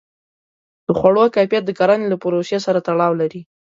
د خوړو کیفیت د کرنې له پروسې سره تړاو لري.